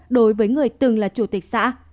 đối với người từng là chủ tịch xã